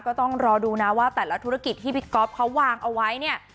ก็ต้องรอดูนะว่าแต่ละธุรกิจที่พี่ก๊อฟเขาวางเอาไว้เนี่ย